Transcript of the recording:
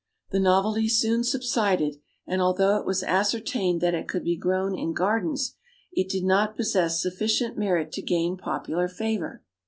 The novelty soon subsided, and although it was ascertained that it could be grown in gardens, it did not possess sufficient merit to gain popular favor.